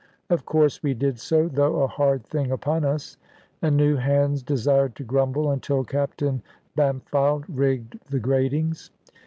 Of course we did so, though a hard thing upon us; and new hands desired to grumble, until Captain Bampfylde rigged the gratings.